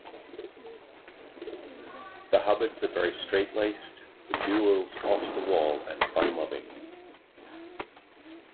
The Hubbards are very straitlaced, the Buells off-the-wall and fun-loving.